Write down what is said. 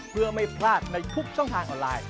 เพื่อไม่พลาดในทุกช่องทางออนไลน์